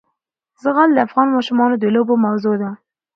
زغال د افغان ماشومانو د لوبو موضوع ده.